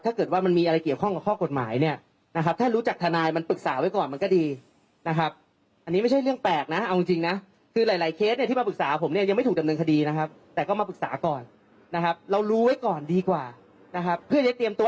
ถ้าเกิดว่ามันมีอะไรเกี่ยวข้องกับข้อกฎหมายเนี่ยนะครับถ้ารู้จักทนายมันปรึกษาไว้ก่อนมันก็ดีนะครับอันนี้ไม่ใช่เรื่องแปลกนะเอาจริงนะคือหลายหลายเคสเนี่ยที่มาปรึกษาผมเนี่ยยังไม่ถูกดำเนินคดีนะครับแต่ก็มาปรึกษาก่อนนะครับเรารู้ไว้ก่อนดีกว่านะครับเพื่อจะเตรียมตัว